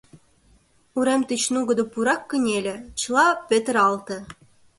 Урем тич нугыдо пурак кынеле, чыла петыралте.